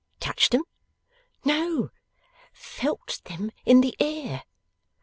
'Touched them?' 'No. Felt them in the air.